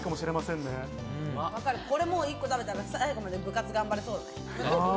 １個食べたら最後まで部活、頑張れそう。